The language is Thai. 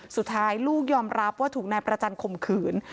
สุดท้ายลูกยอมรับว่าถูกนายประจันข่มขืน